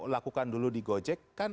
lakukan dulu di gojek kan